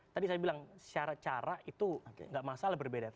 tadi saya bilang secara cara itu nggak masalah berbeda